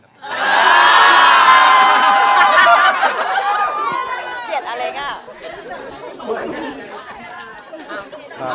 เกลียดอัลเมฆอ่ะ